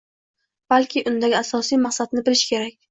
Balki undagi asosiy maqsadni bilish kerak.